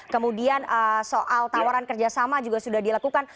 kemudian soal tawaran kerjasama juga sudah dilakukan